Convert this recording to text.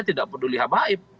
tidak peduli habaib